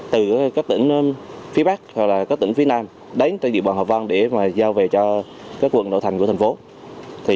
từ các tỉnh phía bắc hoặc là các tỉnh phía nam đến trên địa bàn hòa vang để giao về cho các quận nội thành của thành phố